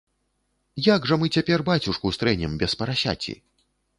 Як жа мы цяпер бацюшку стрэнем без парасяці?